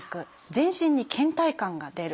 全身に倦怠感が出る。